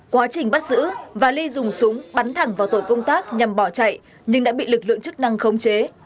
quá trình bắt giữ và ly dùng súng bắn thẳng vào tội công tác nhằm bỏ chạy nhưng đã bị lực lượng chức năng khống chế